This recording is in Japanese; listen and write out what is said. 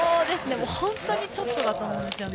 本当にちょっとだと思います。